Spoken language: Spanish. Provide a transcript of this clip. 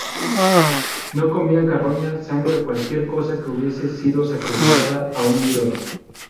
No comía carroña, sangre o cualquier cosa que hubiera sido sacrificada a un ídolo.